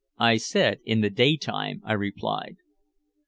"I said in the daytime," I replied.